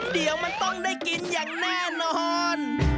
เดี๋ยวมันต้องได้กินอย่างแน่นอน